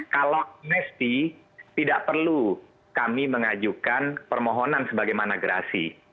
kalau amnesti tidak perlu kami mengajukan permohonan sebagaimana gerasi